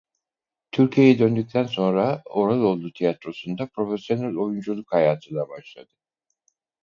Türkiye'ye döndükten sonra Oraloğlu Tiyatrosu'nda profesyonel oyunculuk hayatına başladı.